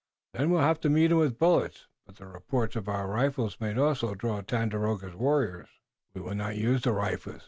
"Then we'll have to meet 'em with bullets, but the reports of our rifles might also draw Tandakora's warriors." "We will not use the rifles.